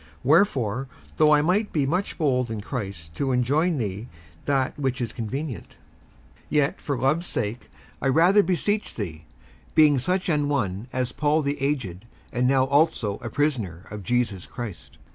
57:001:008 Wherefore, though I might be much bold in Christ to enjoin thee that which is convenient, 57:001:009 Yet for love's sake I rather beseech thee, being such an one as Paul the aged, and now also a prisoner of Jesus Christ.